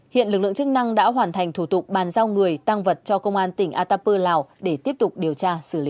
hiện lực lượng chức năng đã hoàn thành thủ tục bàn giao người tăng vật cho công an tỉnh atapu lào để tiếp tục điều tra xử lý